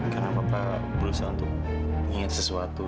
karena papa berusaha untuk ingat sesuatu